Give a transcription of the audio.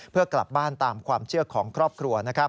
เพื่อกลับบ้านตามความเชื่อของครอบครัวนะครับ